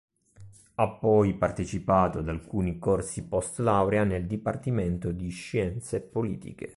Ha poi partecipato ad alcuni corsi post-laurea nel dipartimento di scienze politiche.